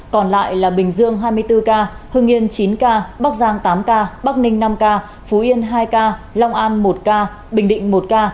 còn lại là bình dương hai mươi bốn ca hưng yên chín ca bắc giang tám ca bắc ninh năm ca phú yên hai ca long an một ca bình định một ca